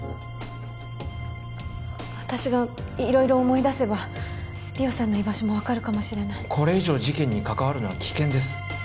私が色々思い出せば莉桜さんの居場所も分かるかもしれないこれ以上事件に関わるのは危険です